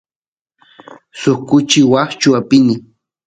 suk kuchi washchu apini